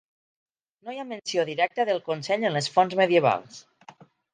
No hi ha menció directa del Consell en les fonts medievals.